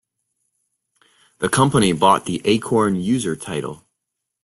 The company bought the Acorn User title.